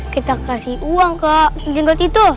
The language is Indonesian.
kita kasih uang ke jenggot itu